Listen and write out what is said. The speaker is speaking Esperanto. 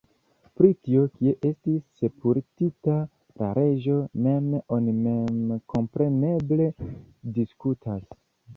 Pri tio, kie estis sepultita la reĝo mem, oni memkompreneble diskutas.